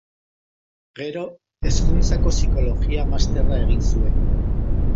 Gero, Hezkuntzako Psikologia Masterra egin zuen.